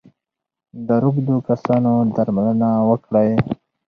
د روږدو کسانو درملنه وکړئ.